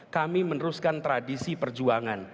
kami meneruskan tradisi perjuangan